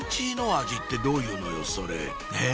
味ってどういうのよそれえぇ？